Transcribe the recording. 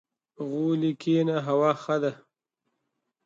• په غولي کښېنه، هوا ښه ده.